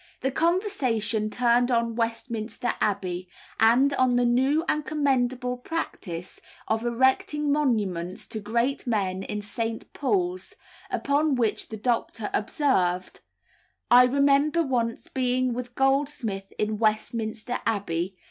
The conversation turned on Westminster Abbey, and on the new and commendable practice of erecting monuments to great men in St. Paul's; upon which the doctor observed "I remember once being with Goldsmith in Westminster Abbey.